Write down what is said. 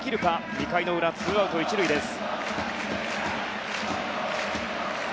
２回の裏、ツーアウト１塁です。